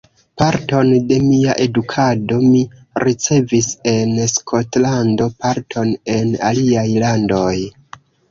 Parton de mia edukado mi ricevis en Skotlando, parton en aliaj landoj.